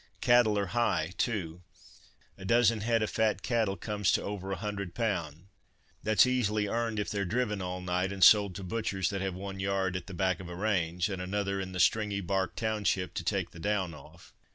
Cattle are high, too. A dozen head of fat cattle comes to over a hundred pound—that's easy earned if they're driven all night, and sold to butchers that have one yard at the back of a range, and another in the stringy bark township, to take the down off."